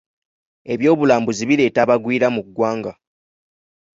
Ebyobulambuzi bireeta abagwiira mu ggwanga.